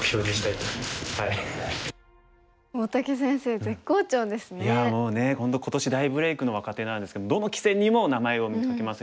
いやもうね本当今年大ブレークの若手なんですけどどの棋戦にも名前を見かけますよね。